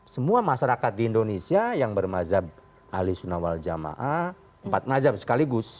semua masyarakat di indonesia yang bermazhab ahli sunnah wal jamaah empat mazhab sekaligus